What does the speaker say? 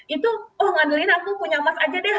itu oh ngadelin aku punya emas aja deh